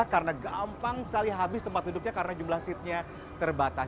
karena gampang sekali habis tempat duduknya karena jumlah seatnya terbatas